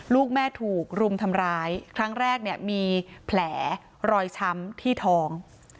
ลูกแม่ถูกรุมทำร้ายครั้งแรกเนี่ยมีแผลรอยช้ำที่ท้อง